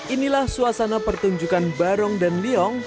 inilah suasana pertunjukan barong dan liong